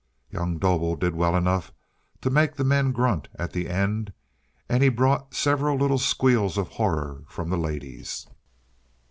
Young Dobel did well enough to make the men grunt at the end, and he brought several little squeals of horror from the ladies.